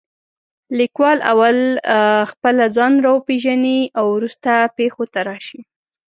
لیکوال اول خپله ځان را وپېژنې او وروسته پېښو ته راشي.